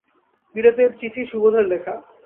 বিলেতের চিঠি, সুবোধের লেখা।